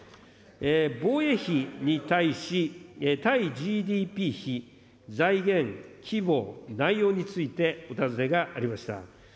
防衛費に対し、対ＧＤＰ比、財源、規模、内容についてお尋ねがありました。